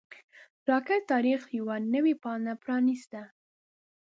راکټ د تاریخ یوه نوې پاڼه پرانیسته